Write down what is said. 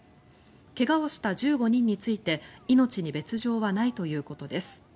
怪我をした１５人について命に別条はないということです。